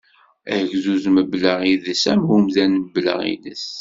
Agdud mebla idles, am umdan mebla iles.